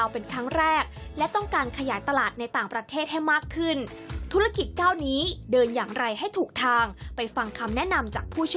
ไปฟังคำแนะนำจากผู้เชิญชาญค่ะ